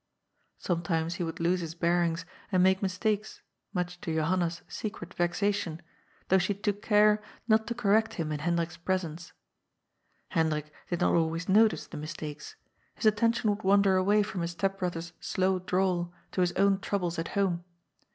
'' Sometimes he would lose his bearings, and make mistakes, much to Johanna's secret vexation, though she took care not to correct him in Hendrik's presence. Hen drik did not always notice the mistakes, his attention would HENDRIK LOSSELL'S FIRST STEP. 227 wander away from his step brother's slow drawl to his own troubles at home.